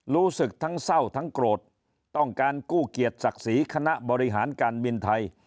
รู้สึกทั้งเศร้าทั้งโกรธต้องการกู้เกียรติศักดิ์ศรีคณะบริหารการบินไทย